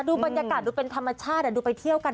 ดูบรรยากาศดูเป็นธรรมชาติดูไปเที่ยวกัน